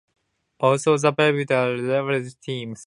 Also, the Baby Dolphins lose their best players to other college teams.